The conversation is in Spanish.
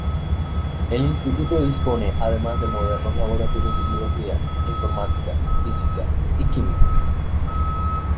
El instituto dispone además de modernos laboratorios de biología, informática, física, y química.